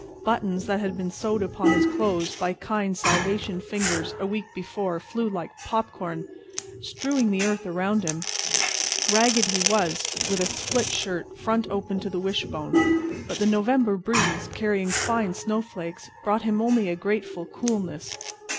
Buttons that had been sewed upon his clothes by kind Salvation fingers a week before flew like popcorn, strewing the earth around him. Ragged he was, with a split shirt front open to the wishbone; but the November breeze, carrying fine snowflakes, brought him only a grateful coolness.